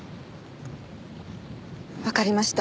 わかりました。